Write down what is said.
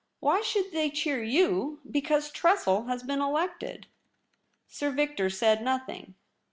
Why should they cheer you because Tressel has been elected ?' Sir Victor said nothing.